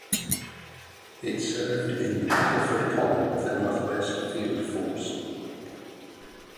It served in the Battleford Column of the North West Field Force.